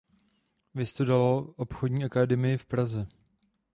Vystudoval obchodní akademii v Praze.